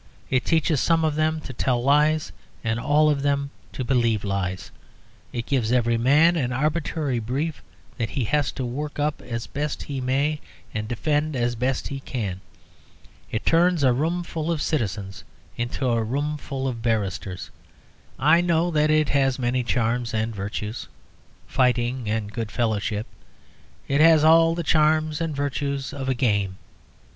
It teaches some of them to tell lies and all of them to believe lies. It gives every man an arbitrary brief that he has to work up as best he may and defend as best he can. It turns a room full of citizens into a room full of barristers. I know that it has many charms and virtues, fighting and good fellowship; it has all the charms and virtues of a game.